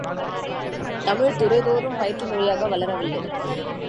தமிழ் துறைதோறும் பயிற்றுமொழியாக வளரவில்லை.